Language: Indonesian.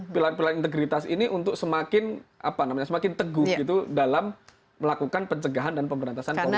pilar pilar integritas ini untuk semakin teguh gitu dalam melakukan pencegahan dan pemberantasan korupsi